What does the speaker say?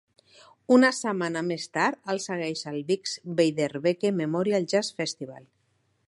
Una setmana més tard, el segueix el Bix Beiderbecke Memorial Jazz Festival.